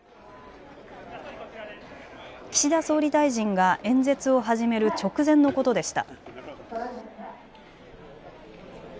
岸田総理大臣が演説を始める直前のことでした。